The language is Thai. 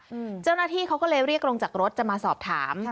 เจ้าหน้าที่เขาก็เลยเรียกลงจากรถจะมาสอบถามค่ะ